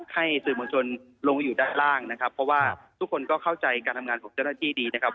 ให้สื่อมวลชนลงไปอยู่ด้านล่างนะครับเพราะว่าทุกคนก็เข้าใจการทำงานของเจ้าหน้าที่ดีนะครับ